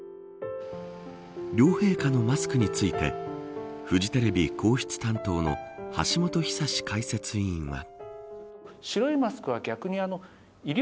両陛下のマスクについてフジテレビ皇室担当の橋本寿史解説委員は。